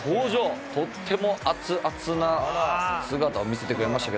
とっても熱々な姿を見せてくれましたけれども。